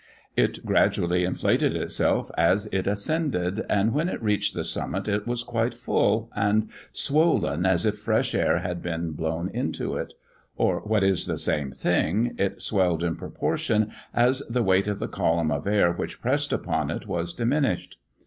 It gradually inflated itself as it ascended, and when it reached the summit, it was quite full, and swollen as if fresh air had been blown into it; or, what is the same thing, it swelled in proportion as the weight of the column of air which pressed upon it was diminished.